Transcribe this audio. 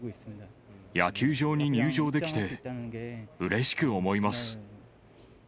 野球場に入場できてうれしく思います。